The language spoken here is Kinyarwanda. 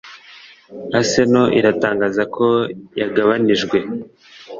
Arsenal iratangaza ko yagabanijwe